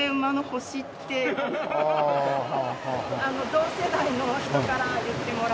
同世代の人から言ってもらってます。